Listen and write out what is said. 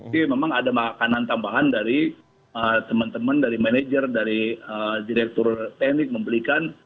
jadi memang ada makanan tambahan dari teman teman dari manajer dari direktur teknik membelikan